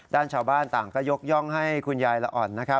ด้านชาวบ้านต่างก็ยกย่องให้คุณยายละอ่อนนะครับ